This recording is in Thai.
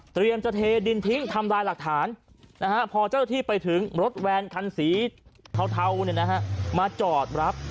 จะเทดินทิ้งทำลายหลักฐานพอเจ้าหน้าที่ไปถึงรถแวนคันสีเทามาจอดรับ